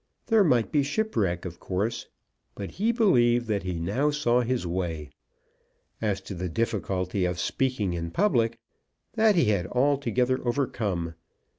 There might be shipwreck of course, but he believed that he now saw his way. As to the difficulty of speaking in public, that he had altogether overcome.